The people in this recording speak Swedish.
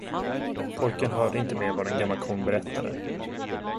Pojken hörde inte mer vad den gamla kon berättade.